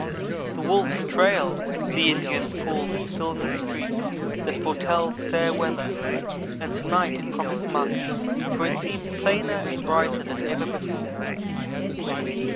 "The wolf's trail," the Indians call this filmy streak that foretells fair weather, and to night it promised much, for it seemed plainer and brighter than ever before.